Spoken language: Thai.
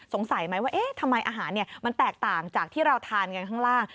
ไหมว่าเอ๊ะทำไมอาหารมันแตกต่างจากที่เราทานกันข้างล่าง